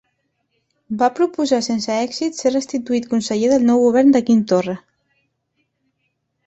Va proposar sense èxit ser restituït conseller del nou govern de Quim Torra.